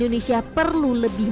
dengar sejarah ini